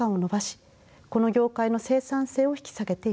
この業界の生産性を引き下げています。